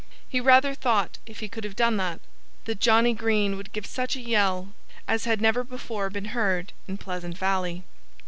He rather thought, if he could have done that, that Johnnie Green would give such a yell as had never before been heard in Pleasant Valley.